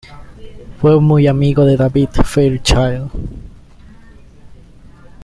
Fue muy amigo de David Fairchild.